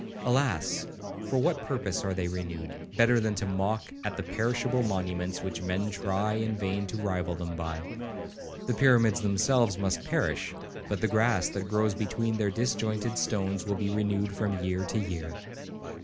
—(Alas! for what purpose are they renewed, better than to mock at the perishable monuments which men try in vain to rival them by). The pyramids themselves must perish, but the grass that grows between their disjointed stones will be renewed from year to year.